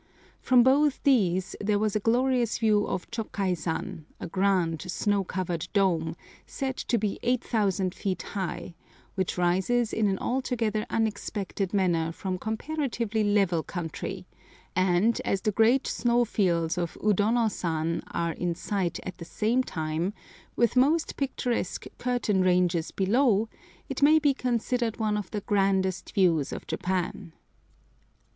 From both these there was a glorious view of Chôkaizan, a grand, snow covered dome, said to be 8000 feet high, which rises in an altogether unexpected manner from comparatively level country, and, as the great snow fields of Udonosan are in sight at the same time, with most picturesque curtain ranges below, it may be considered one of the grandest views of Japan.